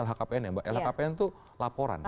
lhkpn ya mbak lhkpn itu laporan